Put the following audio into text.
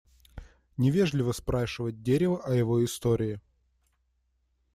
Невежливо спрашивать дерево о его истории.